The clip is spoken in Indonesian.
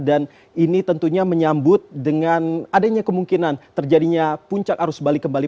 dan ini tentunya menyambut dengan adanya kemungkinan terjadinya puncak arus balik kembali